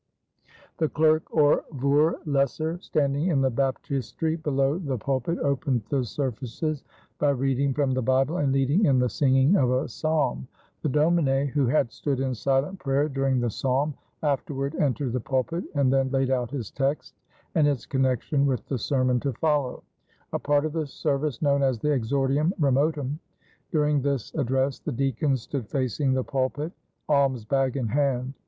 The clerk, or voorleser, standing in the baptistery below the pulpit, opened the services by reading from the Bible and leading in the singing of a psalm. The domine, who had stood in silent prayer during the psalm, afterward entered the pulpit, and then laid out his text and its connection with the sermon to follow a part of the service known as the exordium remotum. During this address the deacons stood facing the pulpit, alms bag in hand.